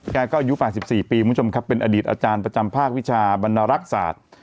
แกก็อายุป่าว๑๔ปีมุมชมครับเป็นอดีตอาจารย์ประจำภาควิชาบรรณรักษาส